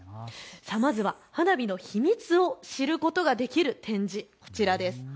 まずは花火の秘密を知ることができる展示、こちらです。